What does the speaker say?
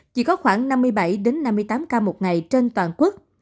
chỉ có khoảng năm mươi bảy năm mươi tám ca một ngày trên toàn quốc